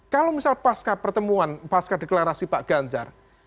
kalau misal pasca pertemuan pasca deklarasi pak ganjar